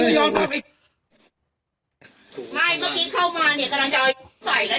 บูริเดีย